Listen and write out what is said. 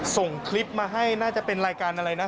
ส่งคลิปมาให้น่าจะเป็นรายการอะไรนะ